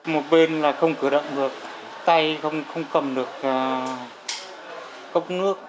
một bên là không cử động được tay không cầm được cốc nước